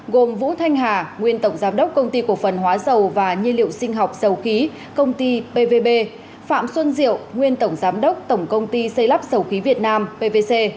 gồm vũ thanh hà nguyên tổng giám đốc công ty cổ phần hóa dầu và nhiên liệu sinh học dầu khí công ty pvb phạm xuân diệu nguyên tổng giám đốc tổng công ty xây lắp sầu khí việt nam pvc